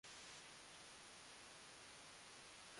linakadiriwa kuwa na waumini milioni karibu Mia tatu na kuathiri